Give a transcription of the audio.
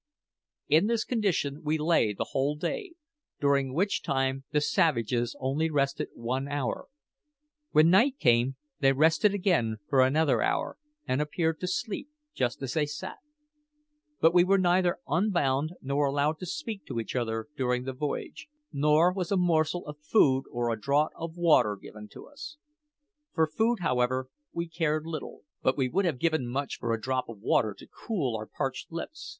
In this condition we lay the whole day, during which time the savages only rested one hour. When night came they rested again for another hour, and appeared to sleep just as they sat. But we were neither unbound nor allowed to speak to each other during the voyage, nor was a morsel of food or a draught of water given to us. For food, however, we cared little; but we would have given much for a drop of water to cool our parched lips.